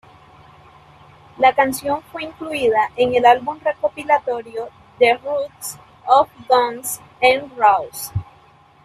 La canción fue incluida en el álbum recopilatorio ""The Roots of Guns N' Roses".